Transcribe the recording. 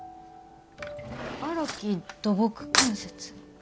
「荒木土木建設」。